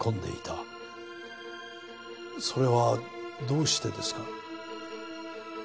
それはどうしてですか？